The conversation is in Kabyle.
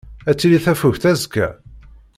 Ad tili tafukt azekka?